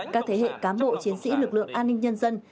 các thế hệ cán bộ chiến sĩ lực lượng an ninh nhân dân